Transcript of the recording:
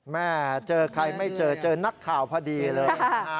แม่เจอใครไม่เจอเจอนักข่าวพอดีเลย